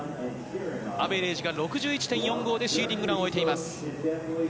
アベレージが６１．４５でシーディングランを終えています。